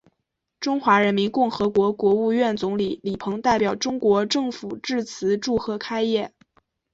中华人民共和国国务院总理李鹏代表中国政府致词祝贺开业。